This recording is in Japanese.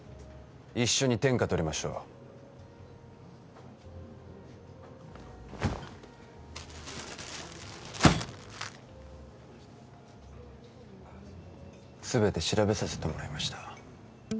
一緒に天下とりましょう全て調べさせてもらいました